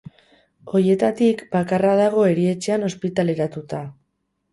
Horietatik bakarra dago erietxean ospitaleratuta.